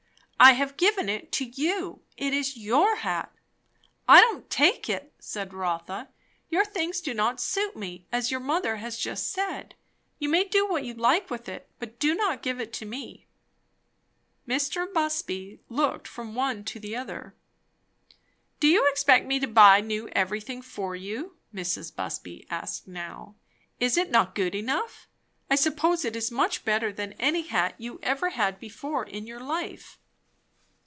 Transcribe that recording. "I have given it to you. It is your hat." "I don't take it," said Rotha. "Your things do not suit me, as your mother has just said. You may do what you like with it; but you do not give it to me!" Mr. Busby looked from one to the other. "Do you expect me to buy new everything for you?" Mrs. Busby asked now. "Is it not good enough? I suppose it is much better than any hat you ever had before in your life."